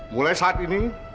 mulai saat ini